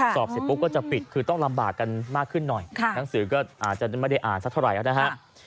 สอบเสร็จปุ๊บก็จะปิดคือต้องลำบากกันมากขึ้นหน่อยหนังสือก็อาจจะไม่ได้อ่านสักเท่าไหร่นะฮะ